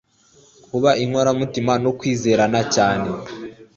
kuba inkoramutima no kwizerana cyane